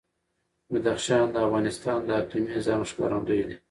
بدخشان د افغانستان د اقلیمي نظام ښکارندوی ده.